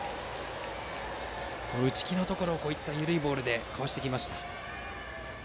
打ち気のところを緩いボールでかわしてきました。